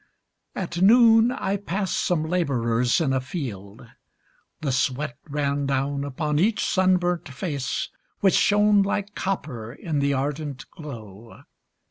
At noon I passed some labourers in a field. The sweat ran down upon each sunburnt face, Which shone like copper in the ardent glow.